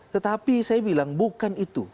tetapi saya bilang bukan itu